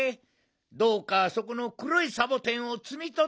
どうかそこのくろいサボテンをつみとっておトゲ。